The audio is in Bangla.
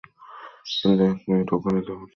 কিন্তু এক মিনিট, ওখানে যাবো কীভাবে?